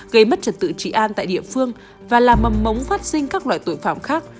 gây mất trật tự trị an tại địa phương và làm mầm mống phát sinh các loại tội phạm khác